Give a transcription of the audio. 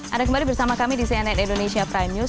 ada kembali bersama kami di cnn indonesia prime news